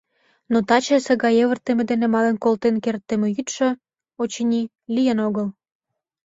Но тачысе гай йывыртыме дене мален колтен кертдыме йӱдшӧ, очыни, лийын огыл.